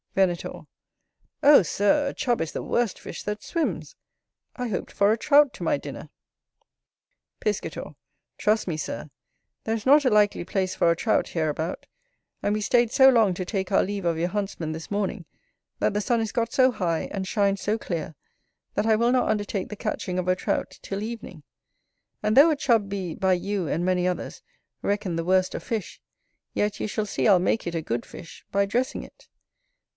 Venator. Oh, Sir! a Chub is the worst fish that swims; I hoped for a Trout to my dinner. Piscator. Trust me, Sir, there is not a likely place for a Trout hereabout: and we staid so long to take our leave of your huntsmen this morning, that the sun is got so high, and shines so clear, that I will not undertake the catching of a Trout till evening. And though a Chub be, by you and many others, reckoned the worst of fish, yet you shall see I'll make it a good fish by dressing it.